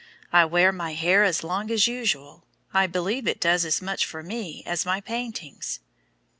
I wear my hair as long as usual, I believe it does as much for me as my paintings."